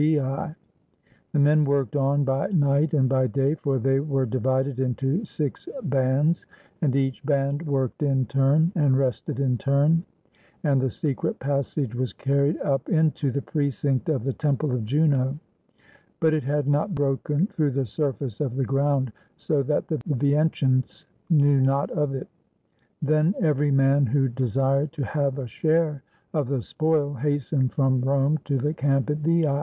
The men worked on by night and by day; for they were divided into six bands; and each 315 ROME band worked in turn and rested in turn; and the secret passage was carried up into the precinct of the temple of Juno; but it had not broken through the surface of the ground; so that the Veientes knew not of it. Then every man who desired to have a share of the spoil hastened from Rome to the camp at Veii.